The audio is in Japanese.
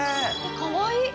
かわいい！